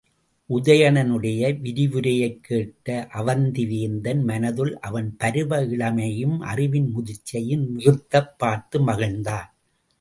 உதயணனுடைய விரிவுரையைக் கேட்ட அவந்திவேந்தன் மனத்துள் அவன் பருவ இளமையையும் அறிவின் முதிர்ச்சியையும் நிறுத்துப் பார்த்து மகிழ்ந்தான்.